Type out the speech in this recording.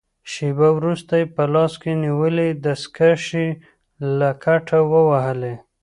شېبه وروسته يې په لاس کې نیولې دستکشې له کټه ووهلې.